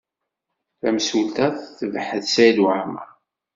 Tamsulta tebḥet Saɛid Waɛmaṛ.